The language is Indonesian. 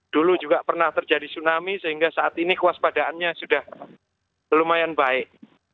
dulu juga pernah terjadi tsunami sehingga saat ini kewaspadaannya sudah lumayan baik